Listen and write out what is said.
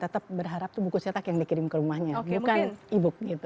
tetap berharap buku cetak yang dikirim ke rumahnya bukan e book gitu